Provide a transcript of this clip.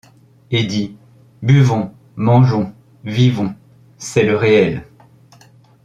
Et dit : Buvons, mangeons, vivons ! c’est le réel.